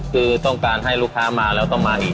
คือต้องการให้ลูกค้ามาแล้วต้องมาอีก